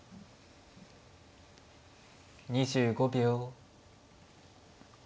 ２５秒。